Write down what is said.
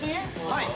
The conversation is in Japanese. はい。